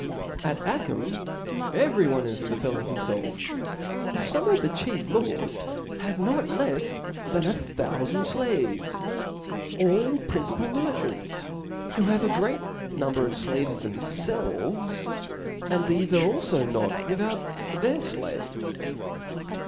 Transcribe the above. At Achim every one is for felling himfelf. Some of the chief lords (^) have not Icfs than a thoufand(0 !>»»»• flaves, all principal merchants, who have a great voyages^ number of flaves themfelves, and thefc alfo atc^^^*^' not without their flaves.